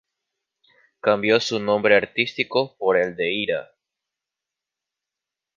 Cambió su nombre artístico por el de Ira.